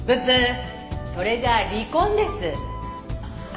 それじゃあ離婚です」